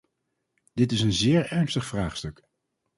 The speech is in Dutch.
Dit is een zeer ernstig vraagstuk.